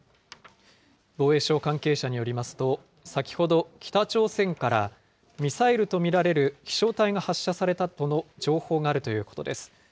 防衛省関係者によりますと、先ほど、北朝鮮からミサイルと見られる飛しょう体が発射されたとの情報があるということです。